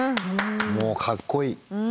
もうかっこいい。